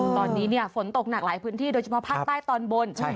ตอนนี้ฝนตกหนักหลายพื้นที่โดยเฉพาะภาคใต้ตอนบน